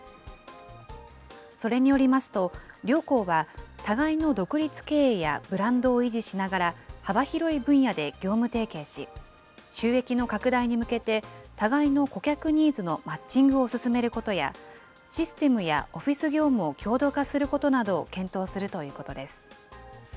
それによりますと、両行は互いの独立経営やブランドを維持しながら、幅広い分野で業務提携し、収益の拡大に向けて、互いの顧客ニーズのマッチングを進めることや、システムやオフィス業務を共同化することなどを検討するということです。